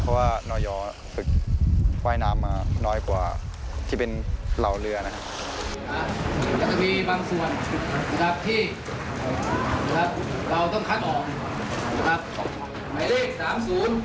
เพราะว่าหน่อยอ๋อฝึกว่ายน้ำมาน้อยกว่าที่เป็นเหล่าเรือนะครับ